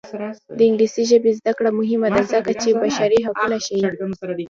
د انګلیسي ژبې زده کړه مهمه ده ځکه چې بشري حقونه ښيي.